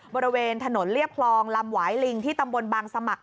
บริเวณถนนเรียบคลองลำหวายลิงที่ตำบลบางสมัคร